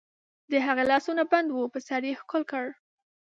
د هغې لاسونه بند وو، په سر یې ښکل کړ.